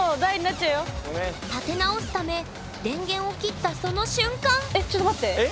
立て直すため電源を切ったその瞬間！